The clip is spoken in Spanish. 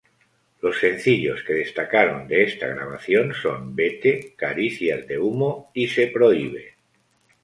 Los sencillos que destacaron de esta grabación son:"Vete", "Caricias de humo" y "Se prohíbe".